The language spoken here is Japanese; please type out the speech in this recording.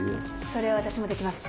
それ私もできます。